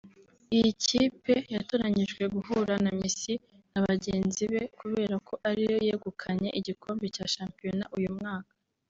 Iyi kipe yatoranyijwe guhura na Messi na bagenzi be kubera ko ariyo yegukanye igikombe cya shampiyona uyu mwaka